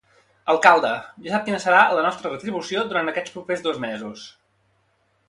Alcalde, ja sap quina serà la nostra retribució durant aquests propers dos mesos.